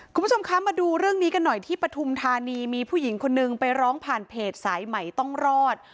คุณผู้ชมคะมาดูเรื่องนี้กันหน่อยที่ปฐุมธานีมีผู้หญิงคนนึงไปร้องผ่านเพจสายใหม่ต้องรอด